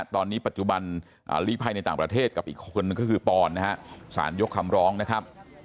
ตอนนี้ปัจจุบันลีภัยในต่างประเทศกับอีกคนนึงก็คือปอนนะฮะสารยกคำร้องนะครับ